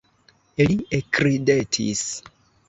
Li ekridetis.